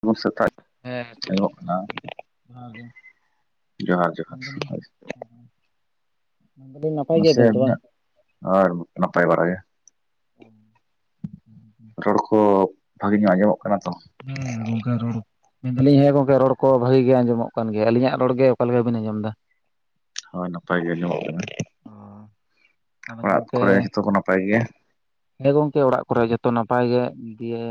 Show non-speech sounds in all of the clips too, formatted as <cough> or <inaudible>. ᱥᱟᱜᱩᱱ ᱥᱮᱛᱟᱜ ᱦᱮᱸ ᱥᱟᱹᱜᱩᱱ ᱟᱡᱚᱢᱚᱜ ᱥᱮᱛᱟᱜ ᱠᱟᱱᱟ ᱜᱚᱝᱠᱮ <unintelligible> ᱡᱚᱦᱟᱨ ᱜᱮ ᱡᱚᱦᱟᱨ ᱡᱚᱦᱟᱨ ᱢᱮᱱᱫᱟᱞᱤᱧ ᱦᱳᱭ <unintelligible> ᱢᱟᱥᱮ ᱛᱚ ᱵᱟᱝ? ᱟᱹᱵᱤᱱᱟᱜ ᱟᱨ ᱱᱟᱯᱟᱭ ᱵᱟᱲᱟ ᱜᱮ ᱨᱚᱲ ᱠᱚ ᱵᱷᱟᱹᱜᱤ ᱧᱚᱜ ᱟᱸᱡᱚᱢᱚᱜ ᱠᱟᱱᱟ ᱛᱚ ᱦᱮᱸ ᱜᱚᱝᱠᱮ ᱨᱚᱲ ᱢᱮᱱᱫᱟᱞᱤᱧ ᱦᱮᱸ ᱜᱚᱝᱠᱮ ᱨᱚᱲ ᱠᱚ ᱵᱷᱟᱹᱜᱤ ᱜᱮ ᱟᱸᱡᱚᱢᱚᱜ ᱠᱟᱱ ᱜᱮᱭᱟ ᱟᱹᱞᱤᱧᱟᱜ ᱨᱚᱲ ᱜᱮ ᱚᱠᱟ ᱞᱮᱠᱟ ᱵᱤᱱ ᱟᱸᱡᱚᱢᱫᱟ ᱦᱟᱸ ᱱᱟᱯᱟᱭ ᱜᱮ ᱟᱸᱡᱚᱢᱚᱜ ᱠᱟᱱᱟ ᱚ ᱟᱫᱚ ᱚᱲᱟᱜ ᱜᱚᱝᱠᱮ ᱠᱚᱨᱮ ᱡᱚᱛᱚ ᱠᱚ ᱱᱟᱯᱟᱭ ᱜᱮᱭᱟ ᱦᱮᱸ ᱜᱚᱝᱠᱮ ᱚᱲᱟᱜ ᱠᱚᱨᱮ ᱡᱚᱛᱚ ᱱᱟᱯᱟᱭ ᱜᱮ ᱫᱤᱭᱮ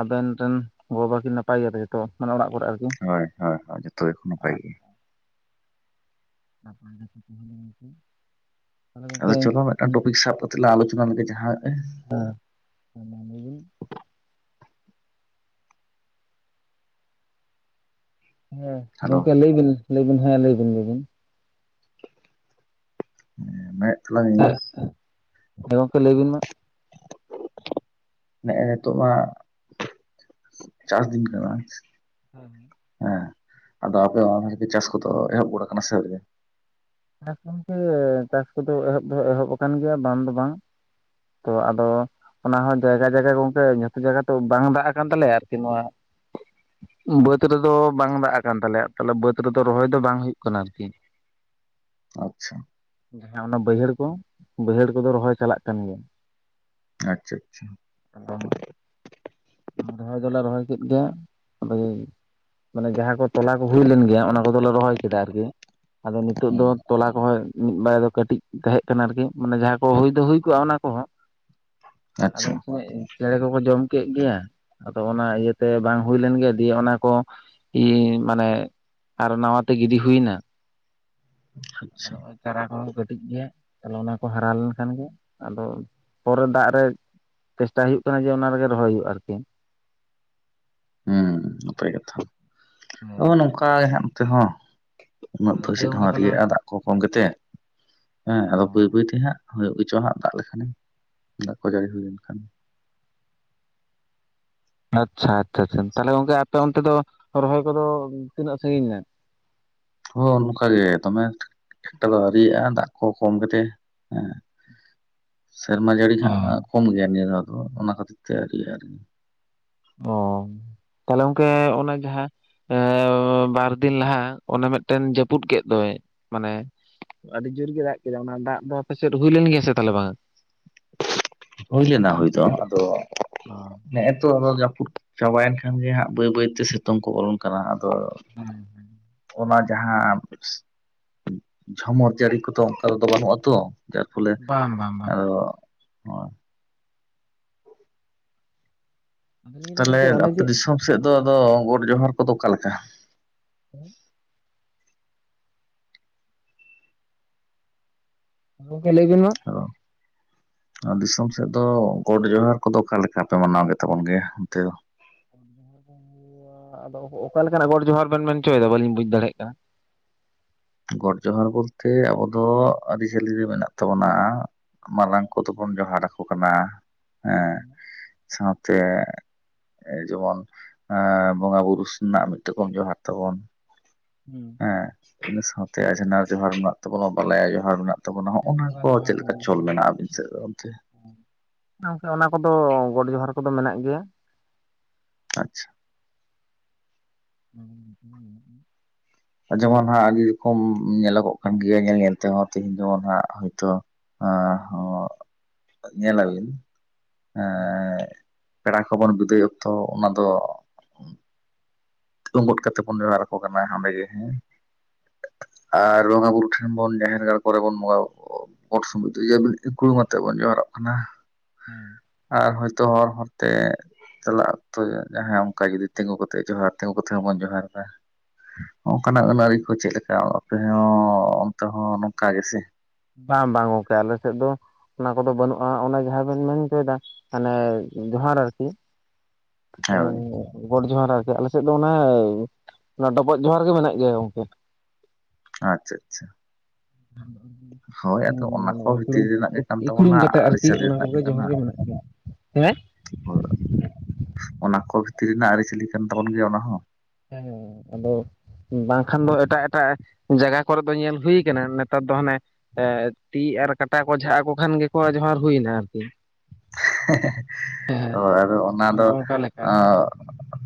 ᱟᱵᱮᱱ ᱨᱮᱱ ᱜᱚ ᱵᱟᱵᱟ ᱠᱤᱱ ᱱᱟᱯᱟᱭ ᱜᱮᱭᱟ ᱡᱚᱛᱚ ᱢᱟᱱᱮ ᱚᱲᱟᱜ ᱠᱚᱨᱮ ᱟᱨᱠᱤ ᱦᱳᱭ ᱦᱳᱭ ᱦᱳᱭ ᱡᱚᱛᱚ ᱜᱮᱠᱚ ᱱᱟᱯᱟᱭ ᱜᱮ <inaudible> ᱛᱟᱦᱚᱞᱮ ᱜᱚᱝᱠᱮ ᱟᱫᱚ ᱪᱚᱞᱚ ᱢᱤᱫᱴᱟᱝ ᱴᱚᱯᱤᱠ ᱥᱟᱵ ᱠᱟᱛᱮᱜ ᱞᱟᱝ ᱟᱞᱳᱪᱚᱱᱟ ᱞᱮᱜᱮ ᱡᱟᱦᱟᱸ ᱦᱮᱸ <unintelligible> ᱦᱮᱸ ᱦᱮᱞᱳ ᱜᱚᱝᱠᱮ ᱞᱟᱹᱭ ᱵᱤᱱ ᱞᱟᱹᱭ ᱵᱤᱱ ᱦᱮᱸ ᱞᱟᱹᱭ ᱵᱤᱱ ᱜᱮᱵᱤᱱ ᱦᱮᱸ ᱢᱮ ᱦᱮᱸ ᱜᱚᱝᱠᱮ ᱞᱟᱹᱭ ᱵᱤᱱ ᱢᱟ ᱱᱮᱜ ᱮ ᱱᱤᱛᱚᱜ ᱢᱟ ᱪᱟᱥ ᱫᱤᱱ ᱠᱟᱱᱟ ᱦᱮᱸ ᱦᱮᱸ ᱟᱫᱚ ᱟᱯᱮ <unintelligible> ᱪᱟᱥ ᱠᱚᱫᱚ ᱮᱦᱚᱵ ᱜᱚᱫ ᱟᱠᱟᱱᱟ ᱥᱮ ᱟᱣᱨᱤᱭᱟ ᱪᱟᱥ ᱜᱚᱢᱠᱮ ᱪᱟᱥ ᱠᱚᱫᱚ ᱮᱦᱚᱵ ᱫᱚ ᱮᱦᱚᱵ ᱠᱟᱱ ᱜᱮᱭᱟ ᱵᱟᱝ ᱫᱚ ᱵᱟᱝ ᱛᱚ ᱟᱫᱚ ᱚᱱᱟ ᱦᱚᱸᱚᱸ ᱡᱟᱭᱜᱟ ᱡᱟᱭᱜᱟ ᱜᱚᱝᱠᱮ, ᱡᱚᱛᱚ ᱡᱟᱭᱜᱟ ᱛᱚ ᱵᱟᱝ ᱫᱟᱜ ᱟᱠᱟᱱ ᱛᱟᱞᱮᱭᱟ᱾ ᱟᱨᱠᱤ ᱱᱚᱣᱟ ᱵᱟᱹᱫ ᱨᱮᱫᱚ ᱵᱟᱝ ᱫᱟᱜ ᱟᱠᱟᱱ ᱛᱟᱞᱮᱭᱟ ᱛᱟᱦᱞᱮ ᱵᱟᱹᱫᱽ ᱨᱮᱫᱚ ᱨᱚᱦᱚᱭ ᱫᱚ ᱵᱟᱝ ᱦᱩᱭᱩᱜ ᱠᱟᱱᱟ, ᱟᱨᱠᱤ᱾ ᱟᱪᱪᱷᱟ ᱡᱟᱦᱟᱸ ᱚᱱᱟ ᱵᱟᱹᱭᱦᱟᱹᱲ ᱠᱚ, ᱵᱟᱹᱭᱦᱟᱹᱲ ᱠᱚᱫᱚ ᱨᱚᱦᱚᱭ ᱪᱟᱞᱟᱜ ᱠᱟᱱ ᱜᱮᱭᱟ ᱟᱪᱪᱷᱟ ᱟᱪᱪᱷᱟ ᱟᱫᱚ ᱨᱚᱦᱚᱭ ᱫᱚᱞᱮ ᱨᱚᱦᱚᱭ ᱠᱮᱫ ᱜᱮᱭᱟ ᱟᱫᱚ ᱢᱟᱱᱮ ᱡᱟᱦᱟᱸ ᱠᱚ ᱛᱚᱞᱟ ᱠᱚ ᱦᱩᱭ ᱞᱮᱱ ᱜᱮᱭᱟ ᱚᱱᱟ ᱠᱚᱫᱚᱞᱮ ᱨᱚᱦᱚᱭ ᱠᱮᱫᱟ ᱟᱨᱠᱤ ᱟᱫᱚ ᱱᱤᱛᱳᱜ ᱦᱩᱸ ᱫᱚ ᱛᱚᱞᱟ ᱠᱚᱦᱚᱸ ᱢᱤᱫ ᱵᱟᱨ ᱫᱚ ᱠᱟᱹᱴᱤᱡ ᱛᱟᱦᱮᱸ ᱠᱟᱱᱟ ᱟᱨᱠᱤ ᱢᱟᱱᱮ ᱡᱟᱦᱟᱸ ᱠᱚ ᱦᱩᱭ ᱫᱚ ᱦᱩᱭ ᱠᱚᱜᱼᱟ ᱚᱱᱟ ᱠᱚᱦᱚᱸ ᱟᱫᱚ ᱟᱪᱪᱷᱟ ᱩᱱ ᱥᱚᱢᱚᱭ ᱪᱮᱬᱮ ᱠᱚᱠᱚ ᱡᱚᱢ ᱠᱮᱫ ᱜᱮ ᱟᱫᱚ ᱚᱱᱟ ᱤᱭᱟᱹᱛᱮ ᱵᱟᱝ ᱦᱩᱭ ᱞᱮᱱ ᱜᱮᱭᱟ ᱫᱤᱭᱮ ᱚᱱᱟ ᱠᱚ ᱤ ᱢᱟᱱᱮ ᱟᱨᱦᱚ ᱱᱟᱣᱟᱛᱮ ᱜᱤᱰᱤ ᱦᱩᱭᱮᱱᱟ ᱟᱪᱪᱷᱟ ᱟᱫᱚ, ᱳᱭ ᱪᱟᱨᱟ ᱠᱚᱦᱚᱸ ᱠᱟᱹᱴᱤᱡ ᱜᱮᱭᱟ ᱛᱟᱦᱚᱞᱮ ᱚᱱᱟ ᱠᱚ ᱦᱟᱨᱟ ᱞᱮᱱᱠᱷᱟᱱ ᱜᱮ ᱟᱫᱚ ᱯᱚᱨᱮᱨ ᱫᱟᱜ ᱨᱮ ᱪᱮᱥᱴᱟ ᱦᱩᱭᱩᱜ ᱠᱟᱱᱟ ᱡᱮ, ᱚᱱᱟ ᱨᱮᱜᱮ ᱨᱚᱦᱚᱭ ᱦᱩᱭᱩᱜᱼᱟ ᱟᱨᱠᱤ᱾ ᱦᱮᱸ ᱱᱟᱯᱟᱭ ᱠᱟᱛᱷᱟ᱾ ᱫᱚ ᱱᱚᱝᱠᱟ ᱜᱮ ᱦᱟᱜ ᱱᱚᱱᱚᱛᱮ ᱦᱚᱸ᱾ ᱩᱱᱟᱹᱜ ᱫᱤᱭᱮ ᱫᱚᱥᱮᱫ ᱜᱚᱝᱠᱮ ᱦᱚᱸ ᱛᱟᱦᱚᱞᱮ ᱨᱤᱭᱟᱹᱜᱼᱟ ᱫᱟᱜ ᱠᱚ ᱠᱚᱢ ᱠᱟ ᱠᱟᱛᱮ᱾ ᱦᱮᱸ ᱚ ᱟᱫᱚ ᱵᱟᱹᱭ ᱵᱟᱹᱭᱛᱮ ᱦᱟᱸᱜ ᱦᱩᱭᱩᱜ ᱜᱮᱪᱚ ᱦᱟᱸᱜ, ᱫᱟᱜ ᱞᱮᱠᱷᱟᱱᱮ, ᱫᱟᱜ ᱠᱚ ᱡᱟᱹᱲᱤ ᱦᱩᱭ ᱞᱮᱱ ᱠᱷᱟᱱ᱾ ᱟᱪᱷᱟ ᱟᱪᱷᱟ ᱛᱟᱦᱞᱮ ᱜᱚᱝᱠᱮ ᱟᱯᱮ ᱚᱱᱛᱮ ᱫᱚ ᱨᱚᱦᱚᱭ ᱠᱚᱫᱚ ᱛᱤᱱᱟᱹᱜ ᱥᱟᱺᱜᱤᱧ ᱱᱟ᱾ ᱦ ᱱᱚᱝᱠᱟ ᱜᱮ, ᱫᱚᱢᱮ ᱮᱠᱴᱟ ᱫᱚ ᱟᱹᱣᱨᱤᱭᱟᱜᱼᱟ, ᱫᱟᱜ ᱠᱚ ᱠᱚᱢ ᱠᱟᱛᱮ ᱦᱮᱸ᱾ ᱥᱮᱨᱢᱟ ᱡᱟᱹᱲᱤ ᱚ ᱦᱟᱸᱜ ᱠᱚᱢ ᱜᱮᱭᱟ ᱱᱤᱭᱟᱹ ᱫ ᱫᱚ᱾ ᱚᱱᱟ ᱠᱷᱟᱹᱛᱤᱨ ᱛᱮ ᱟᱹᱨᱤ ᱟᱨᱠᱤ᱾ ᱚ ᱛᱟᱦᱞᱮ ᱜᱚᱝᱠᱮ ᱚᱱᱟ ᱡᱟᱦᱟᱸ ᱮ ᱵᱟᱨᱫᱤᱱ ᱞᱟᱦᱟ ᱚᱱᱮ ᱢᱤᱫᱴᱮᱱ ᱡᱟᱹᱯᱩᱫ ᱠᱮᱫ ᱫᱚᱭ, ᱢᱟᱱᱮ ᱟᱹᱰᱤ ᱡᱳᱨ ᱜᱮ ᱫᱟᱜ ᱠᱮᱫᱟ, ᱚᱱᱟ ᱫᱟᱜ ᱫᱚ ᱟᱯᱮᱥᱮᱫ ᱦᱩᱭ ᱞᱮᱱ ᱜᱮᱭᱟ ᱥᱮ ᱛᱟᱦᱚᱞᱮ ᱵᱟᱝᱼᱟ? ᱦᱩᱭ ᱞᱮᱱᱟ ᱦᱩᱭ ᱫᱚ᱾ ᱟᱫᱚ ᱚ ᱱᱮᱜᱼᱮ ᱛᱚ ᱟᱫᱚ ᱡᱟᱹᱯᱩᱫ ᱪᱟᱵᱟᱭᱮᱱ ᱠᱷᱟᱱ ᱜᱮ, ᱦᱟᱸᱜ ᱵᱟᱹᱭ ᱵᱟᱹᱭᱛᱮ ᱧᱩᱛᱩᱢ ᱠᱚ ᱚᱞᱚᱱ ᱠᱟᱱᱟ, ᱟᱫᱚ ᱦᱮᱸ ᱚᱱᱟ ᱡᱟᱦᱟᱸ ᱡᱷᱟᱚᱢᱚᱨ ᱡᱟᱹᱲᱤ ᱠᱚᱫᱚ ᱚᱱᱠᱟᱚ ᱵᱟᱹᱱᱩᱜᱼᱟᱛᱚ, ᱡᱟᱨ ᱯᱷᱚᱞᱮ ᱵᱟᱝ ᱵᱟᱝ ᱵᱟᱝ ᱟᱫᱚ ᱦᱳᱭ ᱟᱫᱚ ᱞᱤᱧ ᱞᱟᱹᱭ ᱫᱟ ᱛᱟᱦᱞᱮ ᱜᱚᱝᱠᱮ ᱚᱱᱮ ᱟᱯᱮ ᱡᱮ ᱫᱤᱥᱚᱢ ᱥᱮᱫ ᱫᱚ, ᱟᱫᱚ ᱜᱚᱴ, ᱡᱚᱦᱟᱨ, ᱠᱚᱫᱚ ᱚᱠᱟᱞᱮᱠᱟ᱾ <unintelligible> ᱜᱚᱝᱠᱮ ᱞᱟᱹᱭ ᱵᱤᱱ ᱢᱟ᱾ ᱟᱫᱚ ᱫᱤᱥᱚᱢ ᱥᱮᱫ ᱫᱚ ᱜᱚᱰ, ᱡᱚᱦᱟᱨ, ᱠᱚᱫᱚ ᱚᱠᱟ ᱞᱮᱠᱟ ᱯᱮ ᱢᱟᱱᱟᱣ ᱜᱮᱛᱟᱵᱚᱱ ᱜᱮᱭᱟ? ᱚᱱᱛᱮ ᱫᱚ? <unintelligible> ᱟᱫᱚ ᱚᱠᱟᱞᱮᱠᱟᱱᱟᱜ ᱜᱚᱰ ᱡᱚᱦᱟᱨ ᱵᱮᱱ ᱢᱮᱱ ᱪᱚᱭᱮᱫᱟ᱾ ᱵᱟᱹᱞᱤᱧ ᱵᱩᱡ ᱫᱟᱲᱮᱭᱟᱜ ᱠᱟᱱᱟ᱾ ᱜᱚᱰ ᱡᱚᱦᱟᱨ ᱵᱚᱞᱛᱮ, ᱟᱵᱚ ᱫᱚ ᱟᱹᱨᱤᱪᱟᱞᱤ ᱨᱮ ᱢᱮᱱᱟᱜ ᱛᱟᱵᱚᱱᱟ᱾ ᱢᱟᱨᱟᱝ ᱠᱚᱫᱚ ᱵᱚᱱ ᱡᱚᱦᱟᱨ ᱟᱠᱚ ᱠᱟᱱᱟ᱾ ᱦᱮᱸ ᱥᱟᱸᱶᱛᱮ ᱡᱮᱢᱚᱱ ᱵᱚᱸᱜᱟ, ᱵᱩᱨᱩ, ᱨᱮᱱᱟᱜ ᱢᱤᱫᱴᱚᱠᱚᱢ ᱡᱚᱦᱟᱨ ᱛᱟᱵᱚᱱ᱾ ᱦᱩᱸ ᱦᱮᱸ ᱤᱱᱟᱹ ᱥᱟᱶᱛᱮ, ᱦᱩᱸ ᱟᱡᱷᱱᱟᱨ ᱡᱚᱦᱟᱨ ᱢᱮᱱᱟᱜ ᱛᱟᱵᱚᱱᱟ᱾ ᱵᱟᱞᱟᱭᱟ ᱡᱚᱦᱟᱨ ᱢᱮᱱᱟᱜ ᱛᱟᱚᱱᱟ᱾ ᱛᱟᱵᱚᱱᱟ ᱦᱮᱸ ᱦᱚᱜᱼᱱᱟ ᱫᱟᱫᱟ ᱠᱚ ᱡᱚᱦᱟᱨ ᱪᱮᱫ ᱜᱮ ᱵᱟᱵᱟ ᱡᱚᱦᱟᱨ ᱜᱮ᱾ ᱞᱮᱠᱟ ᱪᱚᱞ ᱢᱮᱱᱟᱜᱼᱟ᱾ ᱟᱵᱤᱱ ᱥᱮᱫ ᱫᱚ ᱚᱱᱛᱮ? ᱵᱟᱝ ᱥᱮ, ᱚᱱᱟ ᱠᱚᱫᱚ ᱜᱚᱰ ᱡᱚᱦᱟᱨ ᱠᱚᱫᱚ ᱢᱮᱱᱟᱜ ᱜᱮᱭᱟ᱾ ᱟᱪᱪᱷᱟ <inaudible> ᱡᱮᱢᱚᱱ ᱦᱟᱸᱜ ᱟᱹᱰᱤ ᱨᱚᱠᱚᱢ ᱧᱮᱞᱚᱜᱚᱜ ᱠᱟᱱ ᱜᱮᱭᱟ, ᱧᱮᱞ ᱧᱮᱞ ᱛᱮᱦᱚᱸ ᱛᱮᱤᱦᱤᱧ ᱫᱚ ᱦᱟᱸᱜ ᱦᱳᱭᱛᱳ <inaudible> ᱧᱮᱞᱟᱵᱤᱱ, ᱯᱮᱲᱟ ᱠᱚᱵᱚᱱ ᱵᱤᱫᱟᱹᱭ ᱚᱠᱛᱚ ᱚᱱᱟ ᱫᱚ ᱛᱩᱢᱵᱩᱫ ᱠᱟᱛᱮ ᱵᱚᱱ ᱡᱚᱦᱟᱨ ᱟᱠᱚ ᱠᱟᱱᱟ ᱚᱰᱮᱸᱜᱮ ᱦᱮᱸ᱾ ᱟᱨ ᱵᱚᱸᱜᱟ ᱵᱩᱨᱩ ᱴᱷᱮᱱ ᱵᱚᱱ, ᱡᱟᱦᱮᱨ ᱜᱟᱲ ᱠᱚᱨᱮ ᱵᱚᱱ ᱵᱚᱸᱜᱟ ᱥᱚᱢ ᱡ <unintelligible> ᱤᱠᱷᱩ ᱢᱟᱛᱮᱫ ᱵᱚᱱ ᱡᱚᱦᱟᱨᱚᱜ ᱠᱟᱱᱟ᱾ ᱦᱮᱸ ᱟᱨ ᱦᱚᱳᱭᱛᱚ ᱦᱚᱨ ᱦᱚᱨᱛᱮ ᱪᱟᱞᱟᱜ ᱚᱠᱛᱚ ᱡᱟᱦᱟᱸᱭ ᱚᱱᱠᱟ ᱡᱩᱫᱤ ᱛᱤᱸᱜᱩ ᱠᱟᱛᱮ ᱡᱚᱦᱟᱨ ᱛᱤᱸᱜᱩ ᱠᱟᱛᱮ ᱦᱚᱸᱵᱚᱱ ᱡᱚᱦᱟᱨ ᱮᱫᱟ ᱚᱱᱠᱟᱱᱟᱜ ᱟᱹᱱ ᱟᱹᱟᱹᱨᱤ ᱠᱚ ᱪᱮᱫ ᱞᱮᱠᱟ, ᱟᱯᱮ ᱦᱚᱸ ᱚᱱᱛᱮ ᱦᱚᱸ ᱱᱚᱝᱠᱟ ᱜᱮ ᱥᱮ? ᱵᱟᱝ ᱵᱟᱝ ᱜᱚᱝᱠᱮ, ᱟᱞᱮ ᱥᱮᱫ ᱫᱚ ᱚᱱᱟ ᱠᱚᱫᱚ ᱵᱟᱹᱱᱩᱜᱼᱟ, ᱚᱱᱮ ᱡᱟᱦᱟᱸ ᱵᱮᱱ ᱢᱮᱱ ᱦᱚᱪᱚᱭᱮᱫᱟ ᱦᱟᱱᱮ ᱡᱚᱦᱟᱨ ᱟᱨᱠᱤ᱾ ᱦᱳᱭ <unintelligible> ᱜᱚᱰ ᱡᱚᱦᱟᱨ ᱟᱨᱠᱤ, ᱟᱞᱮᱥᱮᱫ ᱫᱚ ᱚᱱᱮ ᱰᱚᱚᱵᱚᱜ ᱡᱚᱦᱟᱨ ᱜᱮ ᱢᱮᱱᱟᱜ ᱜᱮᱭᱟ ᱜᱚᱝᱠᱮ᱾ ᱟᱪᱪᱷᱟ ᱟᱪᱪᱷᱟ ᱦᱳᱭ <unintelligible> ᱟᱫᱚ ᱦᱮᱸ ᱚᱱᱟ ᱢᱟᱱᱮ ᱠᱚ ᱵᱷᱤᱛᱤᱨ ᱤᱠᱲᱩᱢ, ᱨᱮᱱᱟᱜ ᱜᱮ ᱠᱟᱱ ᱤᱠᱲᱩᱢ ᱛᱟᱵᱚᱱᱟ ᱠᱟᱛᱮᱜ ᱟᱨᱠᱤ ᱟᱹᱨᱤᱪᱟᱹᱞᱤ ᱚᱱᱟ ᱨᱮᱱᱟᱜ ᱠᱚᱜᱮ ᱡᱚᱦᱟᱨ ᱠᱟᱱᱟ ᱜᱮ ᱢᱮᱱᱟᱜ ᱠᱤᱭᱟ᱾ ᱦᱮ ᱦᱳᱭ ᱚᱱᱟ ᱠᱚ ᱵᱷᱤᱛᱤᱨ ᱨᱮᱱᱟᱜ ᱟᱹᱨᱤ ᱪᱟᱹᱞᱤ ᱠᱟᱱ ᱛᱟᱵᱚᱱ ᱜᱮᱭᱟ ᱚᱱᱟ ᱦᱚᱸ ᱦᱮᱸ ᱟᱫᱚ ᱵᱟᱝᱠᱷᱟᱱ ᱫᱚ ᱮᱴᱟᱜ ᱮᱴᱟᱜ ᱡᱟᱭᱜᱟ ᱠᱚᱨ ᱫᱚ ᱧᱮᱞ ᱦᱩᱭ ᱠᱟᱱᱟ ᱱᱮᱛᱟᱨ ᱫᱚ ᱦᱟᱱᱮ ᱮᱜ ᱛᱤ ᱟᱨ ᱠᱟᱴᱟ ᱠᱚ ᱡᱷᱟᱜ ᱟᱠᱚ ᱠᱷᱟᱱ ᱜᱮᱠᱚ ᱡᱚᱦᱟᱨ ᱦᱩᱭᱱᱟ ᱟᱨᱠᱤ ᱦᱮᱸ ᱦᱮᱸ ᱟᱫᱚ ᱚᱱᱟ ᱚᱱᱮ ᱫᱚ ᱚᱱᱠᱟ ᱞᱮᱠᱟ ᱟᱨᱠᱤ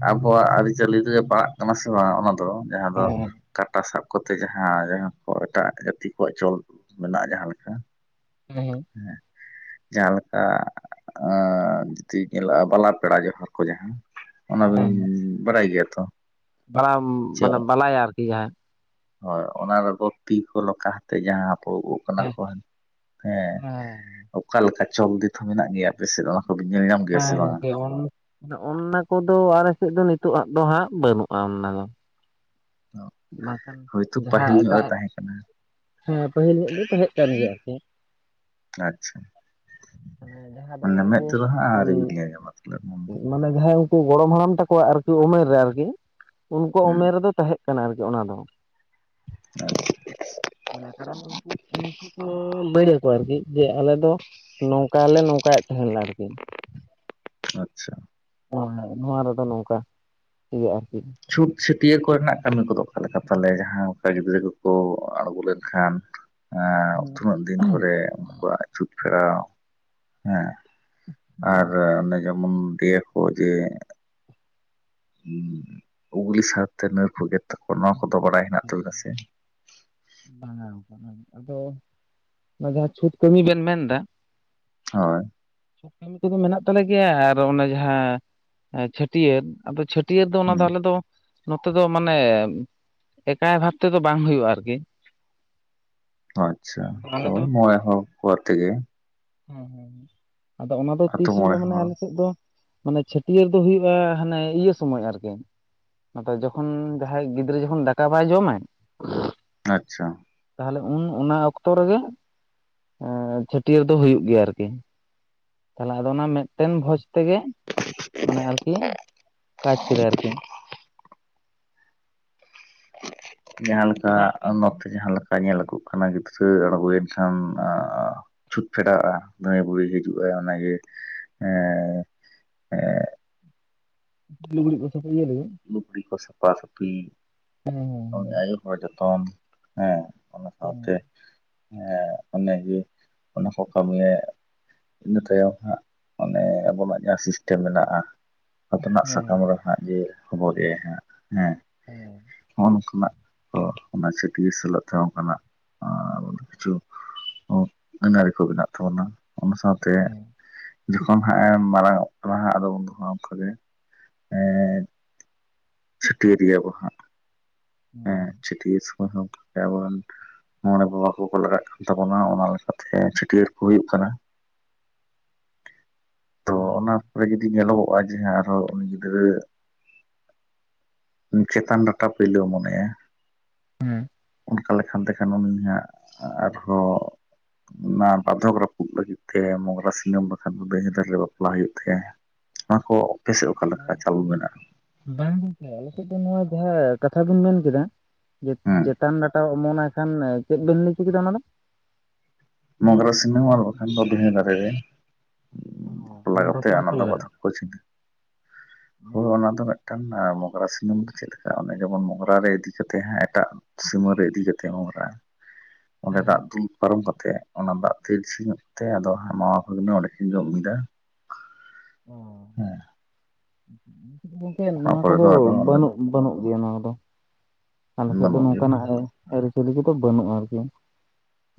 ᱟᱵᱚᱣᱟᱜ ᱟᱹᱨᱤ ᱪᱟᱹᱞᱤ ᱨᱮᱜᱮ ᱯᱟᱲᱟᱜ ᱠᱟᱱᱟ ᱥᱮ ᱵᱟᱝ ᱚᱱᱟ ᱫᱚ ᱡᱟᱦᱟᱸ ᱫᱚ ᱠᱟᱴᱟ ᱥᱟᱵ ᱠᱚᱛᱮ ᱡᱟᱦᱟᱸ ᱡᱟᱦᱟᱸ ᱠᱚ ᱮᱴᱟᱜ ᱡᱟᱹᱛᱤ ᱠᱚᱣᱟᱜ ᱪᱚᱞ ᱢᱮᱱᱟᱜᱼᱟ ᱡᱟᱦᱟᱸ ᱞᱮᱠᱟ ᱦᱮᱸ <inaudible> ᱡᱟᱦᱟᱞᱮᱠᱟ ᱡᱩᱫᱤ ᱧᱮᱞᱚᱜᱼᱟ ᱵᱟᱞᱟ ᱯᱮᱲᱟ ᱡᱚᱦᱟᱨ ᱠᱚ ᱡᱟᱦᱟᱸ ᱚᱱᱟᱵᱤᱱ ᱵᱚᱨᱟᱭ ᱜᱮᱭᱟ ᱛᱚ ᱛᱟᱲᱟᱢ ᱪᱮ ᱵᱟᱞᱟ ᱵᱟᱞᱟᱭᱟ ᱟᱨᱠᱤ ᱡᱟᱦᱟᱸᱭ ᱦᱳᱭ ᱚᱱᱟ ᱨᱮᱫᱚ ᱛᱤ ᱠᱚ ᱞᱚᱠᱟ ᱠᱟᱛᱮ ᱡᱟᱦᱟᱸ ᱟᱵᱚ ᱚᱠᱟ ᱠᱷᱚᱱ ᱜᱮ ᱦᱮᱸ ᱚᱠᱟ ᱞᱮᱠᱟ ᱪᱚᱞᱫᱤᱛ ᱦᱚᱸ ᱢᱮᱱᱟᱜ ᱜᱮᱭᱟ ᱟᱯᱮ ᱥᱮᱫ ᱫᱚ <unintelligible> ᱧᱮᱞ ᱧᱟᱢ ᱜᱮᱭᱟ ᱥᱮ ᱵᱟᱝᱟ ᱡᱮᱢᱚᱱ ᱚᱱᱟ ᱠᱚᱫᱚ ᱟᱞᱮ ᱥᱮᱫ ᱫᱚ ᱱᱤᱛᱳᱜ ᱫᱚ ᱦᱟᱸᱜ ᱵᱟᱹᱱᱩᱜᱼᱟ ᱚᱱᱟ ᱫᱚ ᱵᱟᱝᱠᱷᱟᱱ ᱦᱳᱭᱛᱳ ᱡᱟᱦᱟᱸ ᱯᱟᱹᱦᱤᱞ ᱧᱚᱜ ᱮᱴᱟᱜ ᱨᱮ ᱛᱟᱦᱮᱸ ᱠᱟᱱᱟ ᱦᱮᱸ ᱯᱟᱹᱦᱤᱞ ᱧᱚᱜ ᱫᱚ ᱛᱟᱦᱮᱸ ᱠᱟᱱ ᱜᱮᱭᱟ ᱟᱨᱠᱤ ᱟᱪᱷᱟ ᱡᱟᱦᱟᱸ ᱫᱚ ᱢᱟᱱᱮ ᱢᱮᱫ ᱩᱱᱠᱩ ᱛᱮ ᱫᱚ ᱦᱟᱸᱜ ᱟᱶᱨᱤᱢ ᱧᱮᱞᱧᱟᱸᱢᱟ ᱡᱮᱢᱚᱱ ᱢᱟᱱᱮ ᱡᱟᱦᱟᱸᱭ ᱩᱱᱠᱩ ᱜᱚᱲᱚᱢ ᱦᱟᱲᱟᱢ ᱛᱟᱠᱚᱣᱟᱜ ᱟᱨᱠᱤ ᱩᱢᱮᱨ ᱨᱮ ᱟᱨᱠᱤ ᱩᱱᱠᱩ ᱩᱢᱮᱨ ᱨᱮᱫᱚ ᱛᱟᱦᱮᱸ ᱠᱟᱱᱟ ᱟᱨᱠᱤ ᱚᱱᱟ ᱫᱚ <inaudible> <unintelligible> ᱩᱱᱠᱩ ᱫᱚ ᱞᱟᱹᱭ ᱟᱠᱚ ᱟᱨᱠᱤ ᱡᱮ ᱟᱞᱮ ᱫᱚ ᱱᱚᱝᱠᱟ ᱞᱮ ᱱᱚᱝᱠᱟᱭᱮᱫ ᱛᱟᱦᱮᱸᱱᱟ ᱟᱨᱠᱤ ᱟᱪᱷᱟ ᱦᱮᱸ ᱱᱚᱣᱟ ᱨᱮᱫᱚ ᱱᱚᱝᱠᱟ ᱤᱭᱟᱹᱜᱼᱟ ᱟᱨᱠᱤ ᱪᱷᱩᱸᱛ ᱪᱷᱟᱹᱴᱭᱟᱹᱨ ᱠᱚᱨᱮᱱᱟᱜ ᱠᱟᱹᱢᱤ ᱠᱚᱫᱚ ᱚᱠᱟ ᱞᱮᱠᱟ ᱛᱟᱞᱮ ᱡᱟᱦᱟᱸ ᱚᱱᱠᱟ ᱜᱤᱫᱽᱨᱟᱹ ᱠᱚᱠᱚ ᱟᱬᱜᱚ ᱞᱮᱱᱠᱷᱟᱱ ᱟᱸ ᱛᱤᱱᱟᱹᱜ ᱫᱤᱱ ᱠᱚᱨᱮ ᱩᱱᱠᱩᱣᱟᱜ ᱪᱷᱩᱛ ᱯᱷᱮᱲᱟᱣ ᱦᱮᱸ ᱟᱨ ᱚᱱᱮ ᱡᱮᱢᱚᱱ ᱫᱤᱭᱮ ᱠᱚ ᱡᱮ ᱩᱜᱽᱞᱤ ᱥᱟᱨ ᱛᱮ ᱱᱟᱹᱨ ᱠᱚ ᱜᱮᱫ ᱛᱟᱠᱚᱣᱟ ᱱᱚᱣᱟ ᱠᱚᱫᱚ ᱵᱟᱲᱟᱭ ᱦᱮᱱᱟᱜ ᱛᱟᱵᱮᱱᱟ ᱥᱮ ᱵᱟᱝ <unintelligible> ᱟᱫᱚ ᱚᱱᱟ ᱡᱟᱦᱟᱸ ᱪᱷᱩᱛ ᱠᱟᱹᱢᱤ ᱵᱮᱱ ᱢᱮᱱᱫᱟ ᱦᱳᱭ ᱠᱟᱹᱢᱤ ᱠᱚᱫᱚ ᱢᱮᱱᱟᱜ ᱛᱟᱞᱮ ᱜᱮᱭᱟ ᱟᱨ ᱚᱱᱮ ᱡᱟᱦᱟᱸ ᱪᱷᱟᱹᱴᱭᱟᱹᱨ ᱟᱫᱚ ᱪᱷᱟᱹᱭᱟᱹᱨ ᱯᱟᱹᱴᱭᱟᱹᱨ ᱫᱚ ᱚᱱᱟ ᱦᱩᱸ ᱫᱚ ᱟᱞᱮ ᱫᱚ ᱱᱚᱛᱮ ᱫᱚ ᱢᱟᱱᱮ ᱮᱠᱟᱭ ᱵᱷᱟᱵ ᱛᱮᱫᱚ ᱵᱟᱝ ᱦᱩᱭᱩᱜᱼᱟ ᱟᱨᱠᱤ ᱚ ᱟᱪᱷᱟ ᱦᱚᱭ ᱢᱚᱬᱮ ᱦᱚᱲ ᱠᱚ ᱟᱛᱮᱜᱮ ᱦᱮᱸ ᱦᱮᱸᱟᱫᱚ ᱚᱱᱟ ᱫᱚ ᱟᱛᱳ ᱛᱤᱥ ᱦᱩᱭᱩᱜᱼᱟ ᱢᱚᱬᱮ ᱢᱟᱱᱮ ᱦᱚᱲ ᱟᱞᱮ ᱥᱮᱫ ᱫᱚ ᱢᱟᱱᱮ ᱪᱷᱟᱹᱴᱭᱟᱹᱨ ᱫᱚ ᱦᱩᱭᱩᱜᱼᱟ ᱦᱟᱱᱮ ᱤᱭᱟᱹ ᱥᱚᱢᱚᱭ ᱟᱨᱠᱤ ᱟᱫᱚ ᱡᱚᱠᱷᱚᱱ ᱡᱟᱦᱟᱸᱭ ᱜᱤᱫᱽᱨᱟᱹ ᱡᱚᱠᱷᱚᱱ ᱫᱟᱠᱟ ᱵᱟᱭ ᱡᱚᱢᱟᱭ ᱟᱪᱪᱷᱟ ᱛᱟᱦᱞᱮ ᱩᱱ ᱚᱱᱟ ᱚᱠᱛᱚ ᱨᱮᱜᱮ ᱪᱷᱟᱹᱴᱭᱟᱹᱨ ᱫᱚ ᱦᱩᱭᱩᱜ ᱜᱮᱭᱟ ᱟᱨᱠᱤ ᱛᱟᱦᱚᱞᱮ ᱟᱫᱚ ᱚᱱᱟ ᱢᱤᱫᱴᱮᱱ ᱵᱷᱚᱡᱽ ᱛᱮᱜᱮ ᱢᱟᱱᱮ ᱟᱨᱠᱤ ᱠᱟᱡᱽ ᱠᱮᱫᱟᱭ ᱟᱨᱠᱤ ᱡᱟᱦᱟᱸᱞᱮᱠᱟ <unintelligible> ᱡᱟᱦᱟᱸ ᱞᱮᱠᱟ ᱧᱮᱞ ᱟᱜᱩᱜ ᱠᱟᱱᱟ ᱜᱤᱫᱽᱨᱟᱹ ᱟᱬᱜᱚᱭᱮᱱ ᱠᱷᱟᱱ ᱟᱸ ᱪᱷᱩᱸᱛ ᱯᱷᱮᱨᱟᱣᱼᱟ ᱫᱷᱟᱭ ᱵᱩᱰᱷᱤ ᱦᱤᱡᱩᱜ ᱟᱭ ᱚᱱᱟᱜᱮ ᱮ <inaudible> ᱞᱩᱜᱲᱤ ᱠᱚᱫᱚ ᱤᱭᱟ ᱨᱮᱜᱮ ᱞᱩᱜᱽᱲᱤ ᱠᱚ ᱥᱟᱯᱟ ᱥᱟᱯᱷᱤ <unintelligible> ᱟᱭᱳ ᱦᱚᱲᱟᱜ ᱡᱚᱛᱚᱱ ᱦᱮᱸ ᱚᱱᱟ ᱦᱮᱸ ᱥᱟᱶᱛᱮ ᱦᱮ ᱚᱱᱮᱡᱮ ᱚᱱᱟᱠᱚ ᱠᱟᱹᱢᱤᱭᱮ ᱤᱱᱟ ᱛᱟᱭᱚᱢ ᱦᱟᱸᱜ ᱟᱱᱮ ᱟᱵᱚᱱᱟᱜ ᱡᱟᱦᱟᱸ ᱥᱤᱥᱴᱮᱢ ᱢᱮᱱᱟᱜᱼᱟ ᱟᱛᱱᱟᱜ ᱦᱮᱸ ᱥᱟᱠᱟᱢ ᱨᱮ ᱦᱟᱸᱜ ᱡᱮ ᱦᱚᱵᱚᱨ ᱮ-ᱟᱭ ᱦᱟᱸᱜ ᱦᱮᱸ <unintelligible> ᱱᱚᱜ-ᱚ ᱱᱚᱝᱠᱟᱱᱟᱜ, ᱟᱨ ᱢᱟᱱᱮ ᱪᱷᱟᱹᱴᱭᱟᱹᱨ ᱥᱮᱞᱮᱫ ᱛᱮᱦᱚᱸ ᱠᱟᱱᱟ ᱟᱨ ᱠᱤᱪᱷᱩ ᱟᱹᱱ ᱟᱨᱤ ᱠᱚ ᱢᱮᱱᱟᱜ ᱛᱟᱵᱚᱱᱟ ᱚᱱᱟ ᱥᱟᱶᱛᱮ ᱡᱚᱠᱷᱚᱱ ᱦᱟᱸᱜ ᱮ ᱢᱟᱨᱟᱝ ᱚᱜ ᱠᱟᱱᱟ ᱦᱟᱸᱜ ᱟᱫᱚ ᱩᱱ ᱫᱚ ᱚᱱᱠᱟᱜ ᱜᱮ ᱮᱸᱼᱼ ᱪᱷᱟᱹᱴᱭᱟᱨ ᱨᱮᱭᱟ ᱵᱚ ᱦᱟᱸᱜ ᱦᱮᱸ ᱪᱷᱟᱹᱴᱭᱟᱹᱨ ᱥᱚᱢᱚᱭ ᱦᱚᱸ ᱟᱵᱚᱨᱮᱱ ᱢᱚᱬᱮ ᱵᱟᱵᱟ ᱠᱚᱠᱚ ᱞᱟᱜᱟᱜ ᱠᱟᱱ ᱛᱟᱵᱚᱱᱟ ᱚᱱᱟ ᱞᱮᱠᱟᱛᱮ ᱪᱷᱟᱹᱴᱭᱟᱹᱨ ᱠᱚ ᱦᱩᱭᱩᱜ ᱠᱟᱱᱟ᱾ ᱛᱚ ᱦᱮᱸ ᱚᱱᱟ ᱯᱚᱨᱮ ᱡᱩᱫᱤ ᱧᱮᱞᱚᱜᱚᱜᱼᱟ ᱡᱮ ᱟᱨᱦᱚᱸ ᱩᱱᱤ ᱜᱤᱫᱽᱨᱟᱹ <unintelligible> ᱪᱮᱛᱟᱱ ᱰᱟᱴᱟ ᱯᱳᱭᱞᱳ ᱚᱢᱚᱱᱟᱭᱟ ᱦᱮᱸ ᱚᱱᱠᱟ ᱞᱮᱠᱷᱟᱱ ᱛᱮᱠᱷᱟᱱ ᱩᱱᱤᱭᱟᱜ ᱟᱨᱦᱚᱸ ᱚᱱᱟ ᱵᱟᱫᱷᱚᱠ ᱨᱟᱹᱯᱩᱫ ᱞᱟᱹᱜᱤᱫ ᱛᱮ ᱢᱚᱜᱽᱨᱟ ᱥᱤᱱᱟᱹᱢ ᱵᱟᱠᱷᱟᱱ <unintelligible> ᱯᱟᱹᱦᱤᱞ ᱵᱟᱯᱞᱟ ᱦᱩᱭᱩᱜ ᱛᱟᱭᱟ, ᱱᱚᱣᱟ ᱠᱚ ᱚᱯᱮ ᱥᱮᱫ ᱚᱠᱟ ᱞᱮᱠᱟ ᱦᱮᱸ ᱪᱟᱞ ᱢᱮᱱᱟᱜ-ᱟ? ᱵᱟᱝ ᱜᱚᱢᱠᱮ ᱟᱞᱮ ᱥᱮᱫ ᱫᱚ ᱱᱚᱣᱟ ᱡᱟᱸᱦᱟ ᱠᱟᱛᱷᱟ ᱵᱮᱱ ᱢᱮᱱ ᱠᱮᱫᱟ ᱡᱮ ᱦᱮᱸ ᱪᱮᱛᱟᱱ ᱰᱟᱴᱟᱼᱼ ᱢᱚᱱᱟ ᱠᱷᱟᱱ ᱪᱮᱫ ᱵᱮᱱ ᱞᱟᱹᱭᱪᱚ ᱠᱮᱫᱟ ᱚᱱᱟ ᱫᱚ? ᱢᱳᱜᱨᱟ ᱥᱤᱱᱟᱢ ᱟᱨ ᱵᱟᱠᱷᱟᱱ ᱫᱚ ᱵᱷᱤᱱᱟᱹ ᱫᱟᱨᱮ ᱨᱮ ᱚ ᱵᱟᱯᱞᱟ ᱢᱟᱱᱮ ᱠᱟᱛᱮᱜ ᱚᱱᱟ ᱦᱚᱪᱚ ᱫᱚ ᱞᱟᱜᱟᱜᱼᱟ ᱵᱟᱫᱷᱟ ᱛᱮᱠᱚ ᱪᱤᱠᱟ ᱪᱷᱤᱸᱰᱟᱹ ᱦᱳ ᱚ, ᱚᱱᱟ ᱫᱚ ᱢᱤᱫᱴᱟᱝ ᱢᱳᱜᱨᱟ ᱥᱤᱱᱟᱹᱢ ᱫᱚ ᱪᱮᱜ ᱞᱮᱠᱟ ᱚᱱᱮ ᱡᱮᱢᱚᱱ ᱢᱳᱜᱨᱟ ᱨᱮ ᱤᱫᱤ ᱠᱟᱛᱮ ᱦᱟᱸᱜ ᱮᱴᱟᱜ ᱥᱤᱢᱟᱹ ᱨᱮ ᱤᱫᱤ ᱠᱟᱛᱮᱫ ᱜᱳᱜᱨᱟ ᱚᱸᱰᱮ ᱦᱮᱸ ᱫᱟᱜ ᱦᱮᱸ ᱫᱩᱞ ᱯᱟᱨᱚᱢ ᱠᱟᱛᱮᱫ ᱚᱱᱟ ᱫᱟᱜ <inaudible> ᱧᱚᱜ ᱛᱮ ᱟᱫᱚ ᱢᱟᱢᱟ ᱵᱷᱟᱜᱽᱱᱟ ᱚᱸᱰᱮ ᱠᱤᱱ ᱡᱚᱢᱟ ᱚ <inaudible> ᱦᱮᱸ ᱜᱚᱝᱠᱮ ᱚᱱᱟ ᱱᱚᱣᱟ ᱯᱚᱨᱮ ᱠᱚᱫᱚ ᱫᱚ ᱟᱫᱚ ᱚᱸᱰᱮ ᱵᱟᱹᱱᱩᱜ ᱵᱟᱹᱱᱩᱜ ᱜᱮᱭᱟ ᱱᱚᱣᱟ ᱠᱚ ᱫᱚ ᱟᱞᱮ ᱥᱮᱫ ᱫᱚ ᱵᱟᱹᱱᱩᱜ ᱜᱮᱭᱟ ᱱᱚᱝᱠᱟᱱᱟᱜ ᱨᱮ ᱟᱹᱨᱤᱪᱟᱹᱞᱤ ᱠᱚᱫᱚ ᱵᱟᱹᱱᱩᱜᱼᱟ ᱟᱨᱠᱤ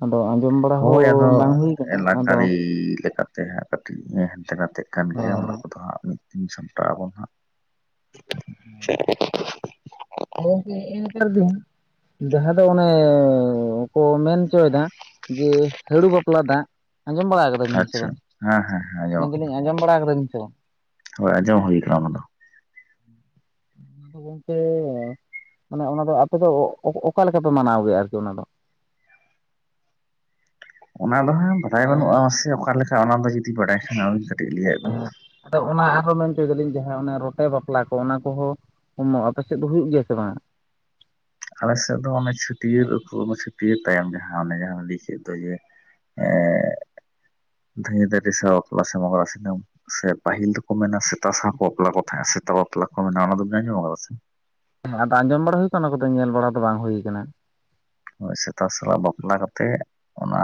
ᱟᱫᱚ ᱟᱸᱡᱚᱢ ᱵᱟᱲᱟ ᱦᱚᱸ ᱵᱟᱝ ᱦᱩᱭ ᱟᱠᱟᱱᱟ ᱟᱫᱚ <unintelligible> ᱛᱮ ᱦᱟᱸᱜ ᱠᱟᱹᱴᱤᱡ ᱦᱮᱱᱛᱮ ᱱᱟᱷᱟᱛᱮᱜ ᱠᱟᱱ ᱜᱮᱭᱟ ᱚᱱᱟ ᱜᱚᱝᱠᱮ ᱠᱚᱫᱚ ᱦᱟᱸᱜ ᱢᱤᱫ ᱫᱤᱱ ᱥᱟᱢᱴᱟᱜ ᱟᱵᱚᱱ ᱦᱟᱸᱜ <inaudible> ᱜᱚᱝᱠᱮ ᱱᱮᱛᱟᱨ ᱫᱚ ᱡᱟᱦᱟᱸ ᱫᱚ ᱚᱱᱮ ᱠᱚ ᱢᱮᱱ ᱦᱚᱪᱚᱭᱮᱫᱟ ᱡᱮ ᱦᱟᱹᱲᱩ ᱵᱟᱯᱞᱟ ᱫᱟᱜ ᱟᱸᱡᱚᱢ ᱵᱟᱲᱟ ᱠᱟᱫᱟ ᱥᱮ ᱟᱪᱪᱷᱟ ᱵᱟᱝ ᱦᱮᱸ ᱦᱮᱸ ᱦᱮᱸ ᱟᱸᱡᱚᱢ ᱢᱮᱱᱫᱟᱞᱤᱧ ᱟᱸᱡᱚᱢ ᱵᱟᱲᱟ ᱠᱟᱫᱟᱵᱤᱱ ᱥᱮ ᱵᱟᱝ ᱦᱳᱭ ᱟᱸᱡᱚᱢ ᱦᱩᱭ ᱠᱟᱱᱟ ᱚᱱᱟ ᱫᱚ ᱜᱚᱝᱠᱮ ᱢᱟᱱᱮ ᱚᱱᱟ ᱫᱚ ᱟᱯᱮ ᱫᱚ ᱚᱠᱟ ᱞᱮᱠᱟ ᱯᱮ ᱢᱟᱱᱟᱣ ᱜᱮᱭᱟ ᱟᱨᱠᱤ ᱚᱱᱟ ᱫᱚ ᱚᱱᱟ ᱫᱚ ᱦᱟᱸᱜ ᱵᱟᱰᱟᱭ ᱵᱟᱹᱱᱩᱜ ᱟᱥᱮ ᱚᱠᱟ ᱞᱮᱠᱟ ᱚᱱᱟ ᱫᱚ ᱡᱩᱫᱤ ᱵᱟᱰᱟᱭ ᱠᱷᱟᱱ ᱟᱹᱵᱤᱱ ᱠᱟᱹᱴᱤᱡ ᱞᱟᱹᱭᱼᱟᱜ ᱵᱤᱱ ᱟᱫᱚ ᱚᱱᱟ ᱟᱨ ᱦᱚᱸ ᱢᱮᱱ ᱦᱚᱪᱚᱭ ᱫᱟᱞᱤᱧ ᱡᱟᱦᱟᱸ ᱚᱱᱟ ᱨᱚᱴᱮ ᱵᱟᱯᱞᱟ ᱠᱚ ᱚᱱᱟ ᱠᱚᱦᱚᱸ <unintelligible> ᱟᱯᱮ ᱥᱮᱫ ᱫᱚ ᱦᱩᱭᱩᱜ ᱜᱮᱭᱟ ᱥᱮ ᱵᱟᱝ ᱟᱞᱮᱥᱮᱫ ᱫᱚ ᱚᱱᱮ ᱪᱷᱟᱹᱴᱭᱟᱹᱨ ᱪᱷᱟᱹᱴᱭᱟᱹᱨ ᱛᱟᱭᱚᱢ ᱡᱟᱦᱟᱸ ᱚᱱᱮ ᱡᱟᱦᱟᱸ ᱞᱟᱹᱭ ᱠᱮᱫ ᱫᱚ ᱡᱮ ᱮ ᱫᱷᱮᱣ ᱫᱷᱮᱨᱮ ᱥᱟᱣ ᱵᱟᱯᱞᱟ ᱥᱚᱢᱚᱭ ᱢᱳᱜᱨᱟ ᱥᱤᱱᱟᱢ ᱥᱮ ᱯᱟᱹᱦᱤᱞ ᱫᱚᱠᱚ ᱢᱮᱱᱟ ᱥᱮᱛᱟ ᱥᱟᱶ ᱠᱚ ᱵᱟᱯᱞᱟ ᱠᱚ ᱛᱟᱦᱮᱸᱱᱟ ᱥᱮᱛᱟ ᱵᱟᱯᱞᱟ ᱠᱚ ᱢᱮᱱᱟ ᱚᱱᱟ ᱫᱚ ᱟᱸᱡᱚᱢ ᱠᱟᱫᱟ ᱥᱮ ᱦᱮᱸ ᱟᱫᱚ ᱟᱸᱡᱚᱢ ᱵᱟᱲᱟ ᱦᱩᱭ ᱟᱠᱟᱱᱟ ᱚᱱᱟ ᱠᱚᱫᱚ ᱧᱮᱞ ᱵᱟᱲᱟ ᱫᱚ ᱵᱟᱝ ᱦᱩᱭ ᱟᱠᱟᱱᱟ ᱥᱮᱛᱟᱜ ᱥᱮᱞᱟᱜ ᱵᱟᱯᱞᱟ ᱠᱟᱛᱮᱜ ᱚᱱᱟ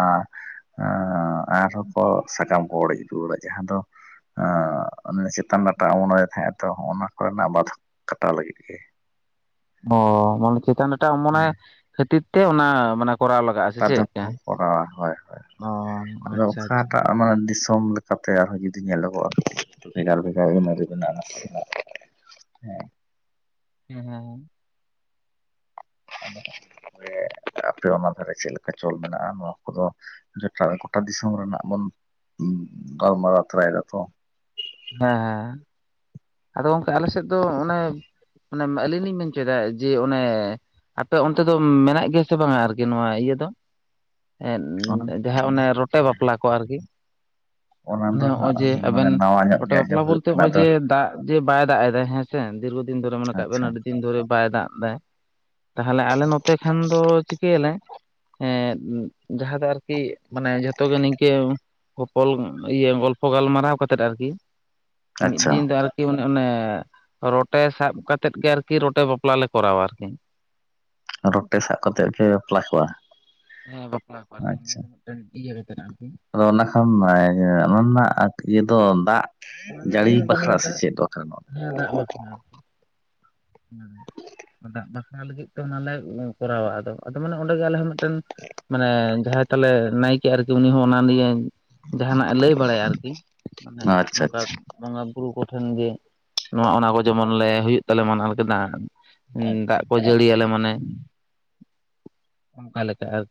ᱟᱨᱦᱚᱸ ᱠᱚ ᱥᱟᱠᱟᱢ ᱠᱚ ᱚᱲᱮᱡ ᱨᱩᱣᱟᱹᱲᱟ ᱡᱟᱦᱟᱸ ᱫᱚ ᱪᱮᱛᱟᱱ ᱰᱟᱴᱟ ᱚᱢᱚᱱᱮ ᱛᱟᱦᱮᱸᱜᱼᱟ ᱛᱚ ᱚᱱᱟ ᱠᱚᱨᱮᱱᱟᱜ ᱵᱟᱫᱷᱚᱠ ᱠᱟᱴᱟᱣ ᱞᱟᱹᱜᱤᱫ ᱜᱮ <unintelligible> ᱚ ᱢᱟᱱᱮ ᱪᱮᱛᱟᱱ ᱰᱟᱴᱟ ᱚᱢᱚᱱᱮ ᱠᱷᱟᱹᱛᱤᱨ ᱛᱮ ᱚᱱᱟ ᱢᱟᱱᱮ ᱠᱚᱨᱟᱣ ᱞᱟᱜᱟᱜᱼᱟ ᱥᱮ ᱪᱮᱫ ᱞᱮᱠᱟ? ᱚ <unintelligible> ᱟᱪᱪᱷᱟ ᱟᱪᱪᱷᱟ ᱯᱨᱚᱢ ᱞᱮᱠᱟᱛᱮ ᱟᱨᱦᱚᱸ ᱡᱩᱫᱤ ᱧᱮᱞᱚᱜᱚᱜᱼᱟ ᱵᱷᱮᱜᱟᱨ ᱵᱷᱮᱜᱟᱨ ᱮᱢ ᱢᱮᱱᱟᱜᱼᱟ <inaudible> ᱦᱮᱸ ᱦᱩᱸᱸ <inaudible> ᱟᱯᱮ ᱚᱱᱟ ᱫᱷᱟᱨᱮ ᱪᱮᱫ ᱞᱮᱠᱟ ᱪᱚᱞ ᱢᱮᱱᱟᱜᱼᱟ ᱱᱚᱣᱟ ᱠᱚᱫᱚ ᱡᱟ ᱜᱚᱴᱟ ᱫᱤᱥᱚᱢ ᱨᱮᱱᱟᱜ ᱵᱚᱱ ᱜᱟᱞᱢᱟᱨᱟᱣ ᱛᱚᱨᱟ ᱮᱫᱟ ᱛᱚ ᱦᱮᱸ ᱦᱮᱸ ᱟᱫᱚ ᱜᱚᱝᱠᱮ ᱟᱞᱮᱥᱮᱫ ᱫᱚ ᱚᱱᱮ ᱚᱱᱮ ᱟᱹᱞᱤᱧ ᱞᱤᱧ ᱢᱮᱱ ᱦᱚᱪᱚᱭᱮᱫᱟ ᱡᱮ ᱚᱱᱮ ᱟᱯᱮ ᱚᱱᱛᱮ ᱫᱚ ᱢᱮᱱᱟᱜ ᱜᱮᱭᱟ ᱥᱮ ᱵᱟᱝ-ᱟ ᱟᱨᱠᱤ ᱱᱚᱣᱟ ᱤᱭᱟᱹ ᱫᱚ ᱚᱱᱟ ᱡᱟᱦᱟᱸ ᱚᱱᱮ ᱨᱚᱴᱮ ᱵᱟᱯᱞᱟ ᱠᱚ ᱟᱨᱠᱤ ᱚᱱᱟ ᱢᱟᱱᱮ ᱫᱚ ᱦᱚᱸᱜᱼᱚᱭ ᱡᱮ ᱦᱟᱸᱜ ᱢᱟᱱᱮ ᱟᱵᱮᱱ ᱱᱟᱣᱟ ᱧᱚᱜ ᱨᱚᱴᱮ ᱜᱮ ᱵᱟᱯᱞᱟ ᱟᱸᱡᱚᱢ ᱦᱩᱭᱩᱜ ᱵᱚᱞᱛᱮ ᱠᱟᱱᱟ ᱱᱚᱜᱼᱚᱭ ᱟᱫᱚ ᱡᱮ ᱫᱟᱜ ᱡᱮ ᱵᱟᱭ ᱫᱟᱜ ᱮᱫᱟᱭ ᱦᱮᱸ ᱥᱮ ᱫᱤᱨᱜᱷᱚᱫᱤᱱ ᱫᱷᱚᱨᱮ ᱢᱚᱱᱮ ᱠᱟᱜ ᱵᱮᱱ ᱟᱪᱪᱷᱟ ᱟᱹᱰᱤ ᱫᱤᱱ ᱫᱷᱚᱨᱮ ᱵᱟᱭ ᱫᱟᱜ ᱫᱟ ᱛᱟᱦᱚᱞᱮ ᱟᱞᱮ ᱱᱚᱛᱮ ᱠᱷᱟᱱ ᱫᱚ ᱪᱤᱠᱟᱹᱭᱟ ᱞᱮ ᱦᱮᱸ ᱡᱟᱦᱟᱸ ᱫᱚ ᱟᱨᱠᱤ ᱢᱟᱱᱮ ᱡᱷᱚᱛᱚ ᱜᱮ ᱱᱤᱝᱠᱟᱹ ᱠᱚᱯᱚᱞ ᱤᱭᱟᱹ ᱜᱚᱞᱯᱚ ᱜᱟᱞᱢᱟᱨᱟᱣ ᱠᱟᱛᱮᱫ ᱟᱨᱠᱤ ᱢᱤᱫ ᱟᱪᱪᱷᱟ ᱫᱤᱱ ᱫᱚ ᱟᱨ ᱢᱟᱱᱮ ᱚᱱᱮ ᱨᱚᱴᱮ ᱥᱟᱵ ᱠᱟ ᱠᱟᱛᱮ ᱜᱮ ᱟᱨᱠᱤ ᱨᱚᱴᱮ ᱵᱟᱯᱞᱟ ᱞᱮ ᱠᱚᱨᱟᱣᱟ ᱟᱨᱠᱤ ᱨᱚᱴᱮ ᱥᱟᱵ ᱠᱟᱛᱮᱫ ᱯᱮ ᱵᱟᱯᱞᱟ ᱠᱚᱣᱟ ᱦᱮᱸ ᱵᱟᱯᱞᱟ ᱠᱚ ᱟᱨᱠᱤ ᱱᱤᱭᱟᱹ ᱟᱪᱪᱷᱟ ᱫᱚ ᱢᱤᱫᱴᱮᱱ ᱤᱭᱟᱹ ᱜᱮᱛ ᱟᱨᱠᱤ ᱟᱫᱚ ᱚᱱᱟ ᱠᱷᱟᱱ ᱚᱱᱟ ᱨᱮᱱᱟᱜ ᱤᱭᱟᱹ ᱫᱚ ᱫᱟᱜ ᱚᱱᱟ <inaudible> ᱨᱮᱱᱟᱜ ᱡᱟᱲᱤ ᱤᱭᱟᱹ ᱫᱚ ᱵᱟᱠᱷᱨᱟ ᱢᱟᱱᱮ ᱫᱟᱜ ᱥᱮᱪᱮᱫ ᱫᱚ ᱦᱮᱸ <inaudible> ᱫᱟᱜ ᱵᱟᱠᱷᱨᱟ ᱞᱟᱹᱜᱤᱫ ᱛᱮ ᱚᱱᱟᱞᱮ ᱠᱚᱨᱟᱣᱟ ᱟᱫᱚ ᱟᱫᱚ ᱢᱟᱱᱮ ᱚᱸᱰᱮ ᱜᱮ ᱟᱞᱮ ᱦᱚᱸ ᱢᱤᱫ ᱢᱟᱱᱮ ᱡᱟᱦᱟᱸᱭ ᱛᱟᱦᱟᱞᱮ ᱱᱟᱭᱠᱮ ᱟᱨᱠᱤ ᱩᱱᱤ ᱦᱚᱸ ᱚᱱᱟ ᱱᱤᱭᱮ ᱡᱟᱦᱟᱱᱟᱜ ᱮ ᱞᱟᱹᱭ ᱵᱟᱲᱟᱭᱟ ᱟᱨᱠᱤ ᱢᱟᱱᱮ ᱫᱚ ᱟᱪᱪᱷᱟ ᱱᱚᱝᱠᱟ ᱟᱪᱪᱷᱟ ᱵᱚᱸᱜᱟ ᱵᱩᱨᱩ ᱠᱚᱴᱷᱮᱱ ᱜᱮ ᱱᱚᱣᱟ ᱚᱱᱟ ᱠᱚ ᱡᱮᱢᱚᱱ ᱞᱮ ᱦᱩᱭᱩᱜ ᱛᱟᱞᱮ ᱢᱟᱱᱟᱣ ᱠᱮᱫᱟ ᱫᱟᱜ ᱠᱚ ᱡᱟᱹᱲᱤᱭᱟᱞᱮ ᱢᱟᱱᱮ ᱚᱱᱠᱟ ᱞᱮᱠᱟ ᱟᱨᱠᱤ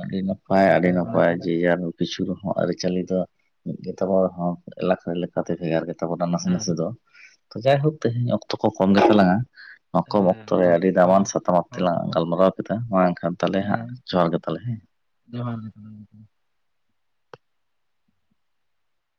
ᱟᱹᱰᱤ ᱱᱟᱯᱟᱭ ᱟᱹᱰᱤ ᱚᱱᱠᱟ ᱚᱱᱟ ᱱᱟᱯᱟᱭ ᱠᱚᱞᱮ ᱡᱮ-ᱡᱟᱨ ᱠᱤᱪᱷᱩ ᱨᱮᱦᱚᱸ ᱟᱹᱨᱤᱪᱟᱹᱞᱤ ᱫᱚ ᱢᱤᱫᱜᱮᱛᱟᱵᱚ ᱨᱮᱦᱚᱸ ᱮᱞᱟᱠᱟ ᱞᱮᱠᱟᱛᱮ ᱵᱷᱮᱜᱟᱨ ᱛᱟᱵᱚᱱᱟ ᱱᱟᱥᱮ ᱦᱮᱸ ᱱᱟᱥᱮ ᱫᱚ ᱛᱚ ᱡᱟᱭᱦᱳᱠ ᱛᱮᱦᱮᱧ ᱚᱠᱛᱚ ᱠᱚ ᱠᱚᱢ ᱜᱮ ᱪᱟᱞᱟᱝᱼᱟ ᱠᱚᱢ ᱦᱮᱸ ᱚᱠᱛᱚ ᱨᱮ ᱟᱫᱚ ᱟᱹᱰᱤ ᱫᱟᱢᱟᱱ ᱥᱟᱛᱟᱢ ᱦᱚᱲ ᱛᱮᱞᱟᱝ ᱠᱚᱦᱚᱸ ᱜᱟᱞᱢᱟᱨᱟᱣ ᱠᱮᱫᱟ ᱢᱟ ᱮᱱᱠᱷᱟᱱ ᱛᱟᱦᱚᱞᱮ ᱦᱟᱸᱜ ᱡᱚᱸᱦᱟᱨ ᱜᱮ ᱛᱟᱞᱮ ᱡᱚᱸᱦᱟᱨ